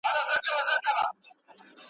هغه ورځ چي نه لېوه نه قصابان وي `